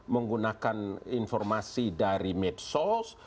menggunakan informasi dari medsos